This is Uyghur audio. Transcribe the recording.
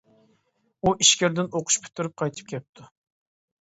ئۇ ئىچكىرىدىن ئوقۇش پۈتتۈرۈپ قايتىپ كەپتۇ.